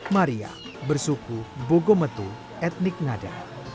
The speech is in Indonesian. maria bersuku bogometu etnik ngada